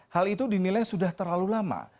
hal itu dinilai sudah terlalu lama